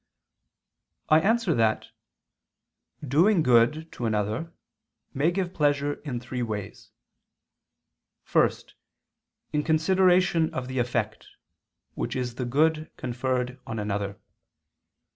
I answer that, Doing good to another may give pleasure in three ways. First, in consideration of the effect, which is the good conferred on another.